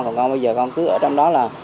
còn bây giờ con cứ ở trong đó là